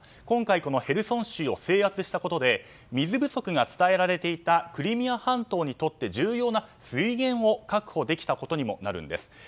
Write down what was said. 今回このヘルソン州を制圧したことで水不足が伝えられていたクリミア半島にとって重要な水源を確保できたことにもなるんです。